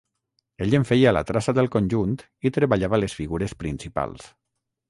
Ell en feia la traça del conjunt i treballava les figures principals.